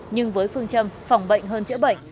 nhưng với phương châm phòng bệnh hơn chữa bệnh